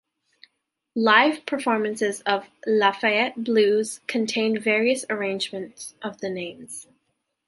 Live performances of "Lafayette Blues" contain various arrangements of the names.